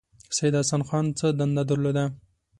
سید حسن خان څه دنده درلوده.